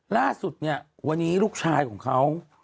ล่าสุดเนี่ยวันนี้ลูกชายของเขา